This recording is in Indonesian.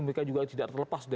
mereka juga tidak terlepas